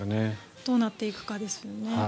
どうなっていくかですよね。